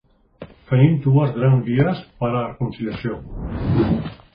Tenim dues grans vies per a reconciliació.